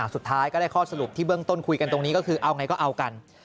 สุดท้ายก็ได้ข้อสรุปที่เบื้องต้นคุยกันตรงนี้ก็คือเอาไงก็เอากัน